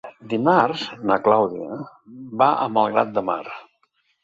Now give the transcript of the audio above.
Dimarts na Clàudia va a Malgrat de Mar.